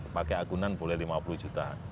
pakai agunan boleh lima puluh juta